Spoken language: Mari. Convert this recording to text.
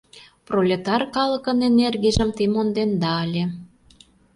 Пролетар калыкын энергийжым те монденда ыле.